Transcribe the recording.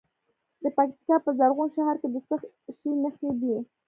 د پکتیکا په زرغون شهر کې د څه شي نښې دي؟